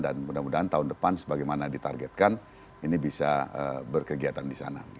dan mudah mudahan tahun depan sebagaimana ditargetkan ini bisa berkegiatan di sana